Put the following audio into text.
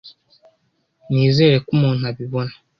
Nizere ko umuntu abibona.